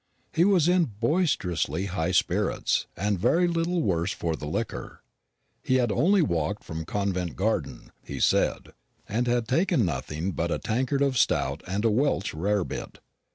He was in boisterously high spirits, and very little the worse for liquor. He had only walked from Covent Garden, he said, and had taken nothing but a tankard of stout and a Welsh rarebit.